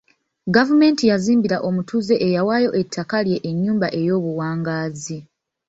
Gavumenti yazimbira omutuuze eyawaayo ettaka lye enyumba ey'obuwangaazi .